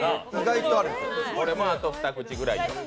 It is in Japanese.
これも、あと２口くらい。